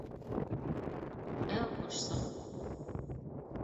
— Әү, ҡошсоғом...